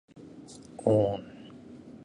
おーん